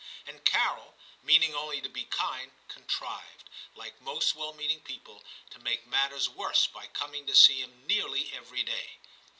And Carol, meaning only to be kind, contrived, like most well meaning people, to make matters worse by coming to see him nearly every day.